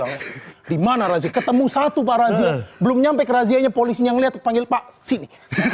gimana razia ketemu satu para belum nyampe ke razia nya polis yang lihat panggil pak sini